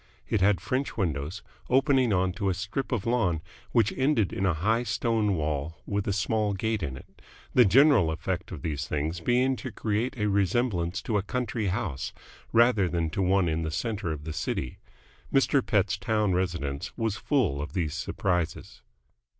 It had French windows, opening onto a strip of lawn which ended in a high stone wall with a small gate in it, the general effect of these things being to create a resemblance to a country house rather than to one in the centre of the city. Mr. Pett's town residence was full of these surprises.